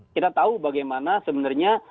kita tahu bagaimana sebenarnya